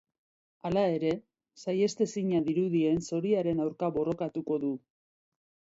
Hala ere, saihestezina dirudien zoriaren aurka borrokatuko du.